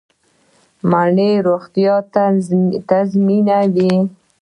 مڼه روغتیا تضمینوي